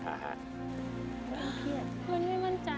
อ่าฮะ